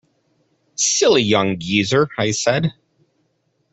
"Silly young geezer," I said.